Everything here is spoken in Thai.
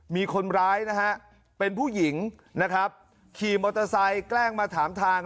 มีคนร้ายนะฮะเป็นผู้หญิงนะครับขี่มอเตอร์ไซค์แกล้งมาถามทาง